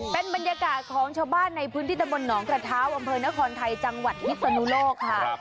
เป็นบรรยากาศของชาวบ้านในพื้นที่ตะบนหนองกระเท้าอำเภอนครไทยจังหวัดพิศนุโลกค่ะ